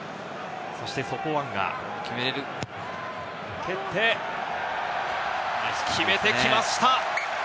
そしてソポアンガ、蹴って決めてきました。